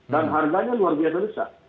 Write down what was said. dan harganya luar biasa besar